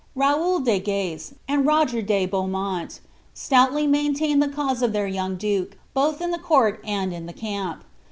Raoul de Gace and Roger de Beaumont stoudy maintained the cause of their young duke, both in the court and in the camp.